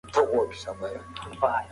ابن خلدون د ټولنیز نظام ځانګړنې تشریح کوي.